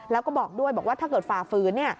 แล้วก็บอกด้วยบอกว่าถ้าเกิดฝ่าฝืน